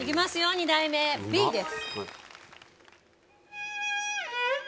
２台目 Ｂ です。